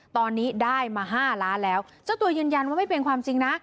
ตอนนี้ได้มา๕ล้านแล้วเจ้าตัวยืนยันว่าไม่เป็นความจริงนะ